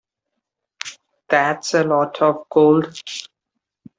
That's a lot of gold.